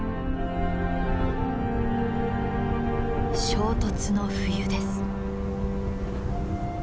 衝突の冬です。